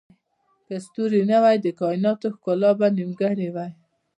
که ستوري نه وای، د کایناتو ښکلا به نیمګړې وای.